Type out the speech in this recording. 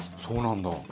そうなんだ。